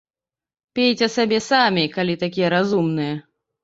Пейце сабе самі, калі такія разумныя!